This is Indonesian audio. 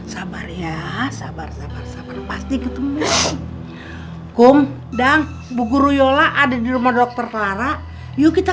sabar ya sabar sabar sabar pasti ketemu kum dan bu guru yola ada di rumah dokter lara yuk kita